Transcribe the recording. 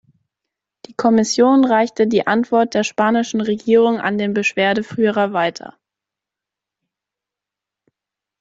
Die Kommission reichte die Antwort der spanischen Regierung an den Beschwerdeführer weiter.